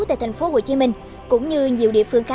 tại thành phố hồ chí minh cũng như nhiều địa phương khác